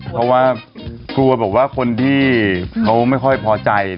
เพราะว่ากลัวบอกว่าคนที่เขาไม่ค่อยพอใจ